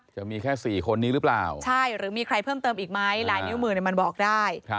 จะมีแค่๔คนนี้หรือเปล่าใช่หรือมีใครเพิ่มเติมอีกไหมลายนิ้วมือมันบอกได้